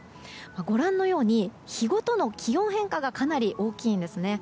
ご覧のように日ごとの気温変化がかなり大きいんですね。